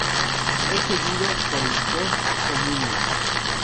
Es seguido por el post-communio.